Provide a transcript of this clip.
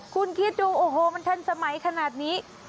คุณคิดดูโอ้โหมันทันสมัยขนาดนี้